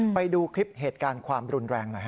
ไปดูคลิปเหตุการณ์ความรุนแรงหน่อย